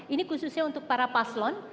ini khususnya untuk para paslon